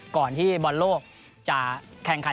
ก่อนที่บอลโลกจะแข่งขัน